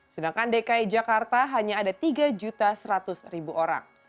sedangkan dki jakarta hanya ada tiga seratus orang